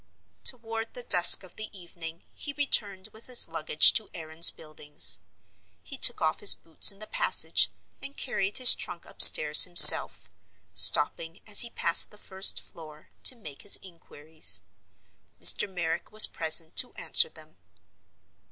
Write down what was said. Toward the dusk of the evening he returned with his luggage to Aaron's Buildings. He took off his boots in the passage and carried his trunk upstairs himself; stopping, as he passed the first floor, to make his inquiries. Mr. Merrick was present to answer them.